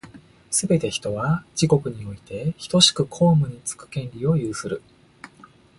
すべて人は、自国においてひとしく公務につく権利を有する。